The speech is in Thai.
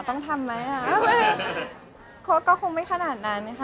ต้องทำไหมอ่ะก็คงไม่ขนาดนั้นค่ะ